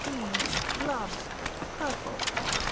Gloves (Purple).